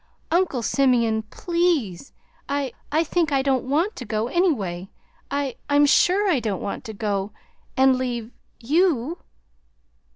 "Uncle Simeon PLEASE! I I think I don't want to go, anyway. I I'm sure I don't want to go and leave YOU!"